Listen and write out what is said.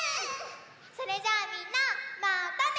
それじゃあみんなまたね！